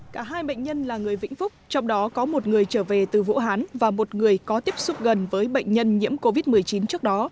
cả hai bệnh nhân là người vĩnh phúc trong đó có một người trở về từ vũ hán và một người có tiếp xúc gần với bệnh nhân nhiễm covid một mươi chín trước đó